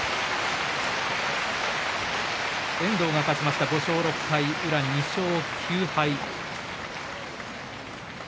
遠藤が勝ちました、５勝６敗宇良、２勝９敗。